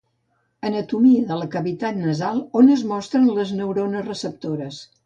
Anatomia de la cavitat nasal on es mostren les neurones receptores